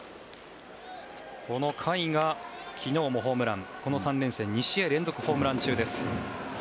この甲斐が昨日もホームランこの３連戦２試合連続ホームラン中です。